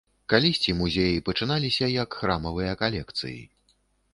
Калісьці музеі пачыналіся як храмавыя калекцыі.